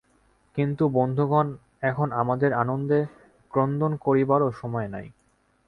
কিন্তু বন্ধুগণ, এখন আমাদের আনন্দে ক্রন্দন করিবারও সময় নাই।